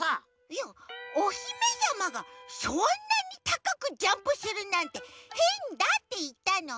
いやおひめさまがそんなにたかくジャンプするなんてへんだっていったの。